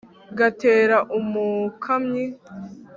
gatera umukamyi